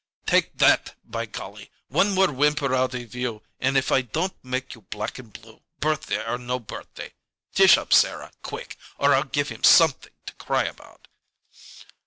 "Take that! By golly! one more whimper out of you and if I don't make you black and blue, birthday or no birthday! Dish up, Sarah, quick, or I'll give him something to cry about."